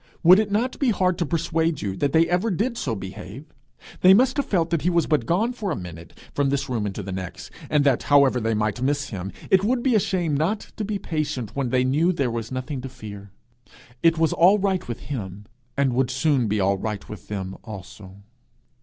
Would it not be hard to persuade you that they ever did so behave? They must have felt that he was but 'gone for a minute ... from this room into the next;' and that, however they might miss him, it would be a shame not to be patient when they knew there was nothing to fear. It was all right with him, and would soon be all right with them also!